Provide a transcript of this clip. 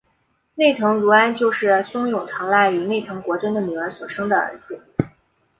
内藤如安就是松永长赖与内藤国贞的女儿所生的儿子。